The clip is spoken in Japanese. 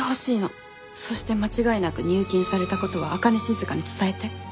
そして間違いなく入金された事を朱音静に伝えて。